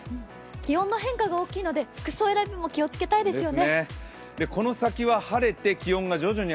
気温の変化が大きいので服装選びも気をつけたいですよね。